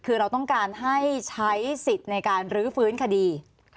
คือเราต้องการให้ใช้สิทธิ์ในการรื้อฟื้นคดี